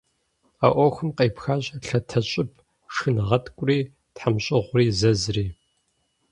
А ӏуэхум къепхащ лъатэщӏыб шхынгъэткӏури, тхьэмщӏыгъури, зэзри.